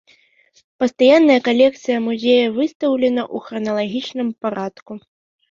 Пастаянная калекцыя музея выстаўлена ў храналагічным парадку.